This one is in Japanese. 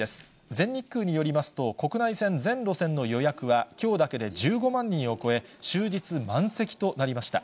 全日空によりますと、国内線全路線の予約はきょうだけで１５万人を超え、終日満席となりました。